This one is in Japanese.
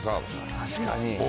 確かに。